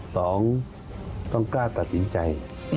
สองต้องกล้าตัดสินใจ